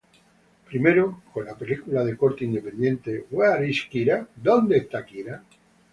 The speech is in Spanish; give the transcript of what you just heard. Primero con la película de corte independiente "Where is Kyra?